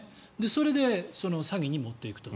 それで詐欺に持っていくと。